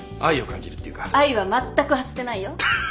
愛はまったく発してないよ。